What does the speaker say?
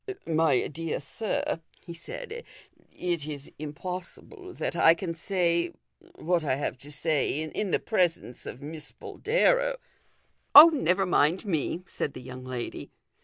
" My dear sir," he said, " it is impossible that I can say what I have to say in the presence of Miss Boldero " ".Oh, never rnind me," said the young lady.